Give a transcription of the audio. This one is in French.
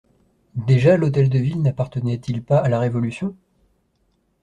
Déjà l'Hôtel de Ville n'appartenait-il pas à la Révolution?